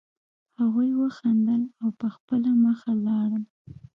هغوی وخندل او په خپله مخه لاړل